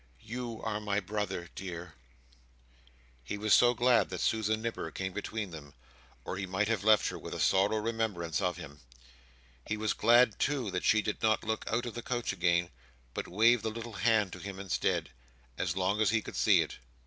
You are my brother, dear!" He was glad that Susan Nipper came between them, or he might have left her with a sorrowful remembrance of him. He was glad too that she did not look out of the coach again, but waved the little hand to him instead, as long as he could see it.